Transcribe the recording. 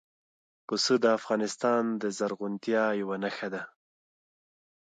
پسه د افغانستان د زرغونتیا یوه نښه ده.